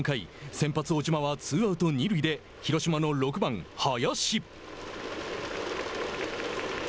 先発小島はツーアウト、二塁で広島の６番林。